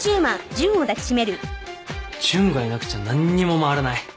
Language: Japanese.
純がいなくちゃ何にも回らない。